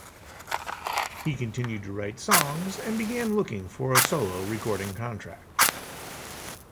He continued to write songs and began looking for a solo recording contract.